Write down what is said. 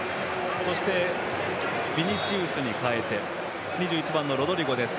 そして、ビニシウスに代え２５番のロドリゴです。